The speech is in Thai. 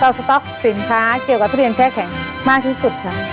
สต๊อกสินค้าเกี่ยวกับทุเรียนแช่แข็งมากที่สุดค่ะ